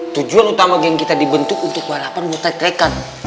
tujuan utama geng kita dibentuk untuk warapan buat rakan rakan